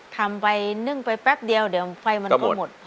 ทำไปนึ่งไปแป๊บเดียวเดี๋ยวไฟมันก็หมด